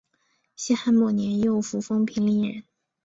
西汉末年右扶风平陵人。